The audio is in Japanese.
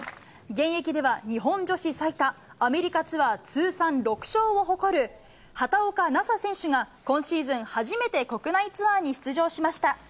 現役では日本女子最多、アメリカツアー通算６勝を誇る畑岡奈紗選手が今シーズン初めて国内ツアーに出場しました。